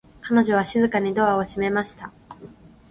彼女は静かにドアを閉めました。